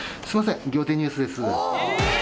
すいません『仰天ニュース』です。